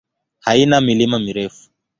Haina milima mirefu.